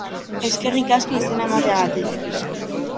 Eskerrik asko izena emateagatik!